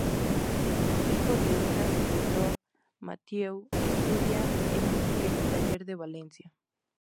Hijo de un agricultor, Mathieu estudia en un pequeño taller de Valencia.